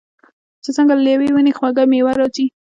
چې څنګه له یوې ونې خوږه میوه راځي.